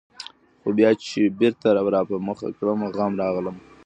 خو بيا چي بېرته راپه مخه کړمه غم ، راغلمه